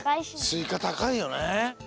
スイカたかいよね。